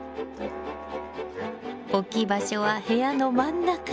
置き場所は部屋の真ん中。